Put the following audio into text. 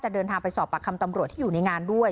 เดินทางไปสอบปากคำตำรวจที่อยู่ในงานด้วย